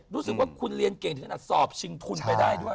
รู้สึกว่าคุณเรียนเก่งถึงขนาดสอบชิงทุนไปได้ด้วย